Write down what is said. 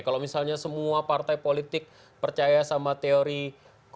kalau misalnya semua partai partai yang diperlukan itu tidak terlalu banyak ya